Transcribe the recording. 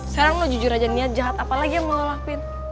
sekarang lo jujur aja niat jahat apa lagi yang mau lo lakuin